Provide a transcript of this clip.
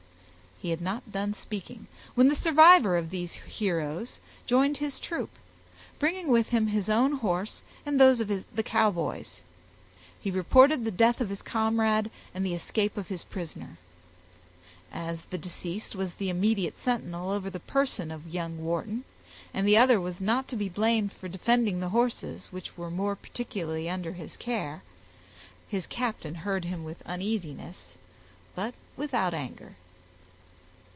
He had not done speaking when the survivor of these heroes joined his troop, bringing with him his own horse and those of the Cowboys; he reported the death of his comrade, and the escape of his prisoner. As the deceased was the immediate sentinel over the person of young Wharton, and the other was not to be blamed for defending the horses, which were more particularly under his care, his captain heard him with uneasiness but without anger.